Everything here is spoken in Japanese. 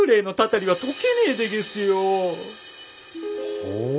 ほう？